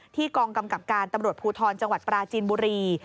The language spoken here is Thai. กองกำกับการตำรวจภูทรจังหวัดปราจีนบุรี